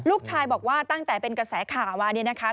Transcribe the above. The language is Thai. ลูกชายบอกว่าตั้งแต่เป็นกระแสข่าวมาเนี่ยนะคะ